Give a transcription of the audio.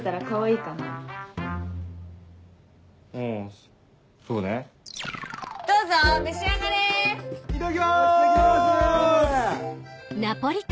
いただきます！